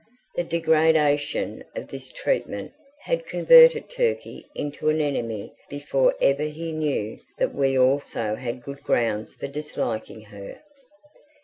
The degradation of this treatment had converted Turkey into an enemy before ever he knew that we also had good grounds for disliking her.